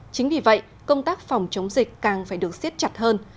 chính vì vậy công tác phòng chống dịch càng phải được siết chặt hơn